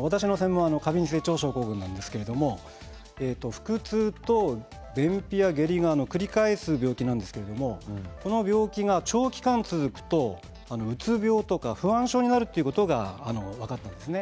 私の専門はそちらなんですけれども腹痛と便秘や下痢が繰り返す病気なんですけれどもその病気が長期間続くとうつ病や不安症になるということが分かってきているんですね。